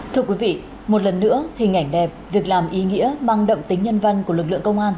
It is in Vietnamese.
thưa quý vị một lần nữa hình ảnh đẹp việc làm ý nghĩa mang đậm tính nhân văn của lực lượng công an